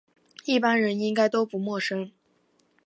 一般人应该都不陌生